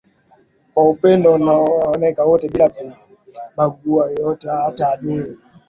upendo unaowaenea wote bila kumbagua yeyote hata adui